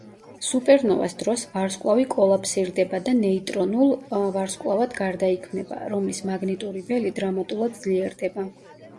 სუპერნოვას დროს ვარსკვლავი კოლაფსირდება და ნეიტრონულ ვარსკვლავად გარდაიქმნება, რომლის მაგნიტური ველი დრამატულად ძლიერდება.